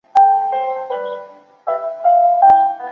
结果是葡萄糖的降解被抑制。